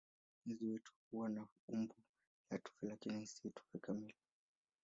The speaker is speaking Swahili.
Mwezi wetu huwa na umbo la tufe lakini si tufe kamili.